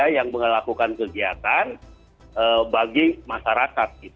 yang melakukan kegiatan bagi masyarakat